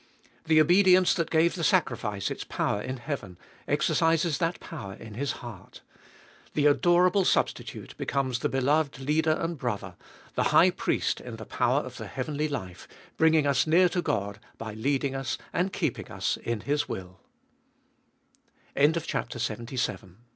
The obedience that gave the sacrifice its power in heaven, exercises that power in his heart. The adorable Substitute be comes the beloved Leader and Brother, the High Priest in the power of the heavenly life, bringing us near to God by leading us and keeping